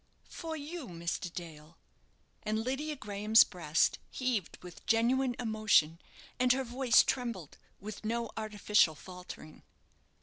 "For you, Mr. Dale!" and Lydia Graham's breast heaved with genuine emotion, and her voice trembled with no artificial faltering.